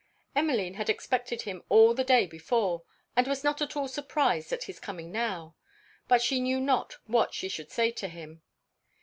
Emmeline had expected him all the day before, and was not at all surprised at his coming now. But she knew not what she should say to him.